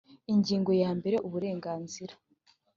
ingingo ya mbere uburenganzira